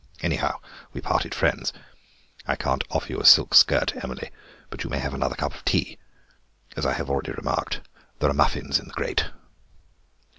Anyhow, we parted friends. I can't offer you a silk skirt, Emily, but you may have another cup of tea. As I have already remarked, there are muffins in the grate."